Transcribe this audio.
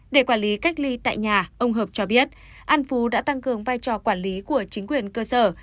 để quản lý cách ly tại nhà ông hợp cho biết an phú đã tăng cường vai trò quản lý của chính quyền cơ sở